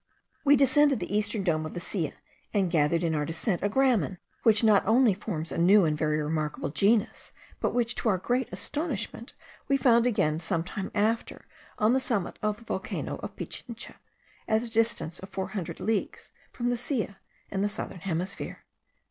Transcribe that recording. We descended the eastern dome of the Silla, and gathered in our descent a gramen, which not only forms a new and very remarkable genus, but which, to our great astonishment, we found again some time after on the summit of the volcano of Pichincha, at the distance of four hundred leagues from the Silla, in the southern hemisphere.